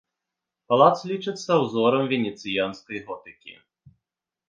Палац лічыцца ўзорам венецыянскай готыкі.